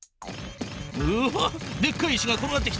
うわでっかい石が転がってきた。